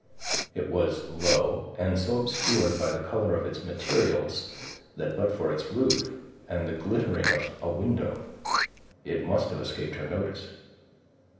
It was low, and so obscured by the color of its materials, that but for its roof, and the glittering of a window, it must have escaped her notice.